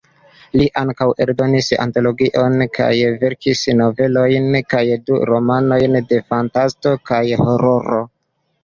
Li ankaŭ eldonis antologion kaj verkis novelojn kaj du romanojn de fantasto kaj hororo.